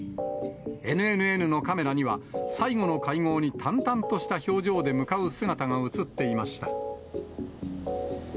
ＮＮＮのカメラには、最後の会合に淡々とした表情で向かう姿が写っていました。